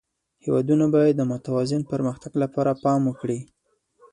هېوادونه باید د متوازن پرمختګ لپاره پام وکړي.